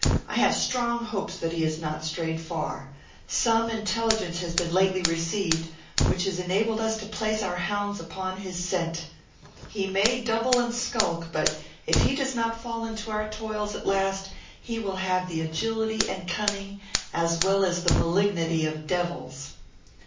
I have strong hopes that he has not strayed far. Some intelligence has lately been received, which has enabled us to place our hounds upon his scent. He may double and skulk; but, if he does not fall into our toils at last, he will have the agility and cunning, as well as the malignity, of devils."